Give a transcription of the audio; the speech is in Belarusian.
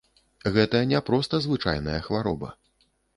Гэта не проста звычайная хвароба.